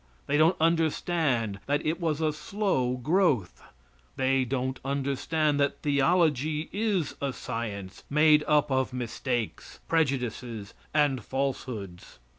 They don't understand that it was a slow growth. They don't understand that theology is a science made up of mistakes, prejudices and falsehoods.